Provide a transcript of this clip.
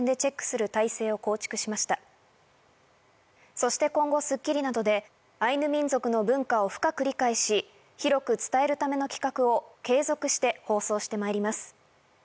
そして今後『スッキリ』などでアイヌ民族の文化を深く理解し、広く伝えるための企画を継続して放送してまいります。